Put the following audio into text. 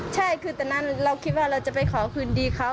ใช่คือตอนนั้นเราคิดว่าเราจะไปขอคืนดีเขา